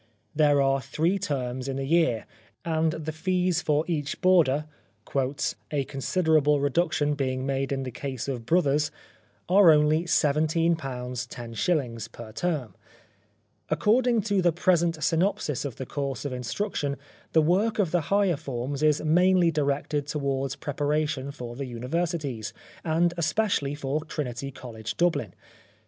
There are three terms in the year, and the fees for each boarder —" a considerable reduction being made lOI The Life of Oscar Wilde in the case of brothers" — are only £17, los. per term. According to the present synopsis of the course of instruction the work of the higher forms is mainly directed towards pre paration for the universities, and especially for Trinity College, DubHn.